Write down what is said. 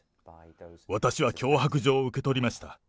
私は脅迫状を受け取りました。